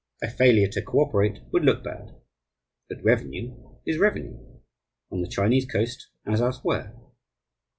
A failure to cooperate would look bad; but revenue is revenue, on the Chinese Coast as elsewhere.